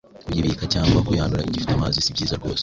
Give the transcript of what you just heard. Kuyibika cyangwa kuyanura igifite amazi si byiza rwose.